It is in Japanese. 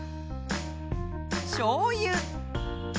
しょうゆ。